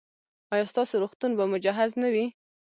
ایا ستاسو روغتون به مجهز نه وي؟